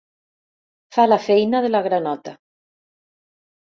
Fa la feina de la granota.